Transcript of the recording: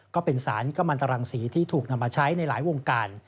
ก็เป็นสารกำลังตรังสีที่ถูกนำมาใช้ในหลายวงการ